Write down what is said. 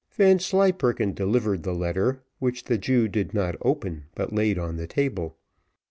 Vanslyperken delivered the letter, which the Jew did not open, but laid on the table.